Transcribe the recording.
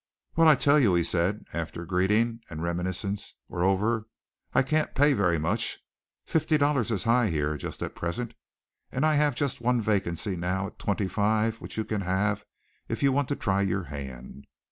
"Well, I'll tell you," he said, after greeting and reminiscences were over, "I can't pay very much fifty dollars is high here just at present, and I have just one vacancy now at twenty five which you can have if you want to try your hand.